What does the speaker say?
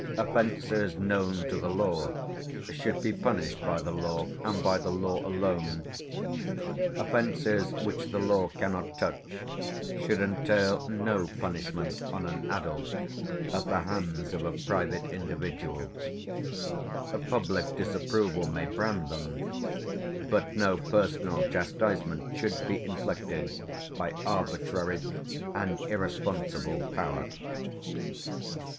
Offences known to the law should be punished by the law, and by the law alone; offences which the law cannot touch should entail no punishment on an adult at the hands of a private individual. Public disapproval may brand them, but no personal chastisement should be inflicted by arbitrary and irresponsible power.